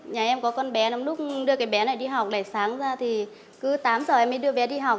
nhà em có con bé lắm lúc đưa cái bé này đi học để sáng ra thì cứ tám giờ em mới đưa bé đi học